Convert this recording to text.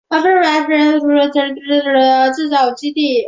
曾经是苏联飞船的制造基地。